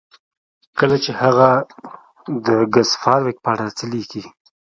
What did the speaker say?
کله چې هغه د ګس فارویک په اړه څه لیکي